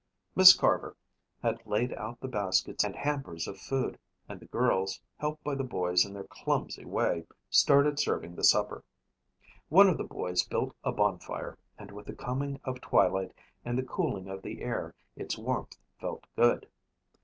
Miss Carver had laid out the baskets and hampers of food and the girls, helped by the boys in their clumsy way, started serving the supper. One of the boys built a bonfire and with the coming of twilight and the cooling of the air its warmth felt good.